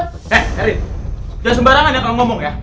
eh rik jangan sembarangan yang kamu ngomong ya